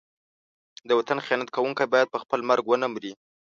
د وطن خیانت کوونکی باید په خپل مرګ ونه مري.